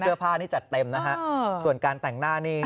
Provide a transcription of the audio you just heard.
เสื้อผ้านี้จัดเต็มนะฮะส่วนการแต่งหน้านี่